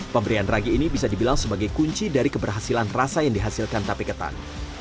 pemberian ragi ini bisa dibilang sebagai kunci dari keberhasilan rasa yang dihasilkan tape ketan